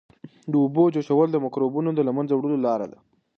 د اوبو جوشول د مکروبونو د له منځه وړلو لاره ده.